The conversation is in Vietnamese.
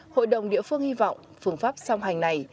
hội đồng địa phương hy vọng phương pháp song hành này